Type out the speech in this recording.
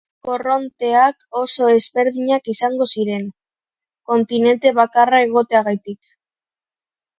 Korronteak oso ezberdinak izango ziren, kontinente bakarra egoteagatik.